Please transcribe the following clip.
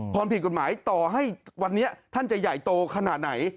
ความผิดกฎหมายต่อให้วันนี้ท่านจะใหญ่โตขนาดไหน